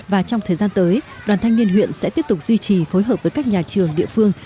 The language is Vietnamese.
và trong thời gian tới đoàn thanh niên huyện sẽ tiếp tục duy trì phối hợp với các nhà trường địa phương